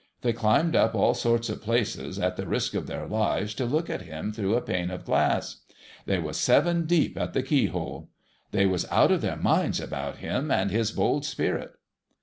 They climbed up all sorts of places, at the risk of their lives, to look at him through a pane of glass. They was seven deep at the keyhole. They was out of their minds about him and his bold spirit.